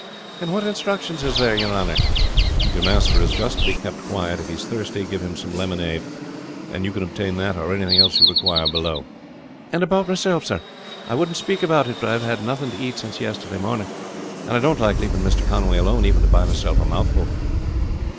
"What instructions is there, your honor?" "Your master is just to be kept quiet. If he is thirsty give him some lemonade. You can obtain that or anything else you require below." "And about myself, sir. I wouldn't speak about it but I have had nothing to eat since yesterday morning, and I don't like leaving Mr. Conway alone even to buy myself a mouthful."